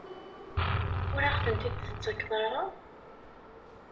Ur aɣ-tent-id-tettakeḍ ara?